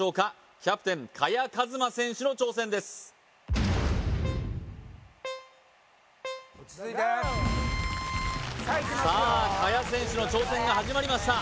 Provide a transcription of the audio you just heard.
キャプテン萱和磨選手の挑戦ですさあ萱選手の挑戦が始まりました